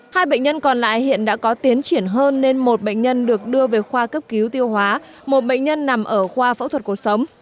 hai bệnh nhân còn lại hiện đã có tiến triển hơn nên một bệnh nhân được đưa về khoa cấp cứu tiêu hóa một bệnh nhân nằm ở khoa phẫu thuật cuộc sống